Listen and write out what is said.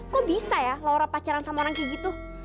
kok bisa ya laura pacaran sama orang kayak gitu